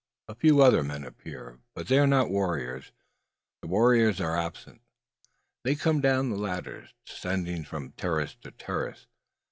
A few other men appear, but they are not warriors. The warriors are absent. They come down the ladders, descending from terrace to terrace.